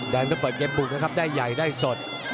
แดงก็เปิดเกมบุกนะครับได้ใหญ่ได้สด